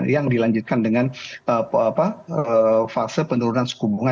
yang dilanjutkan dengan fase penurunan suku bunga